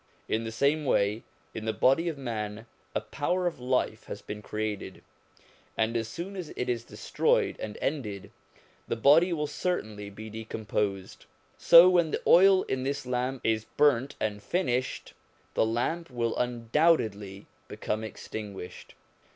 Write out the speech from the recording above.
In the same way, in the body of man a power of life has been created, and as soon as it is destroyed and ended, the body will certainly be decomposed ; so when the oil in this lamp is burnt and finished, the lamp will undoubtedly become extinguished.